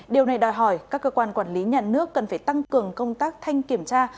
điều này đòi hỏi các cơ quan quản lý nhà nước cần phải tăng cường công tác thanh kiểm tra